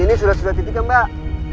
ini sudah sudah titik ya mbak